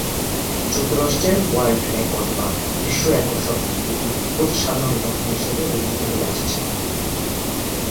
যুক্তরাষ্ট্রে world record বা বিশ্বরেকর্ড শব্দটি একটি অতি সাধারণ ঘটনা হিসেবে বিবেচিত হয়ে আসছে।